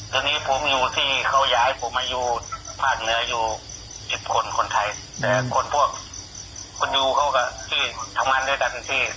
แต่คนพวกคนอยู่เขาก็ที่ทำงานด้วยด้านที่